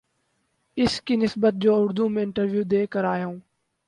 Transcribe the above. اس کی نسبت جو اردو میں انٹرویو دے کر آ یا ہو